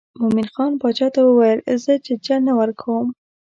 مومن خان باچا ته وویل زه ججه نه ورکوم.